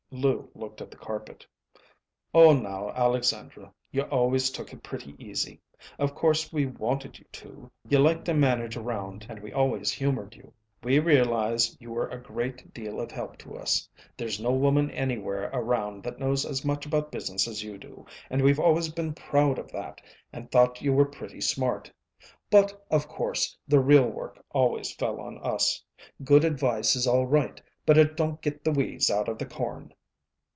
Lou looked at the carpet. "Oh, now, Alexandra, you always took it pretty easy! Of course we wanted you to. You liked to manage round, and we always humored you. We realize you were a great deal of help to us. There's no woman anywhere around that knows as much about business as you do, and we've always been proud of that, and thought you were pretty smart. But, of course, the real work always fell on us. Good advice is all right, but it don't get the weeds out of the corn."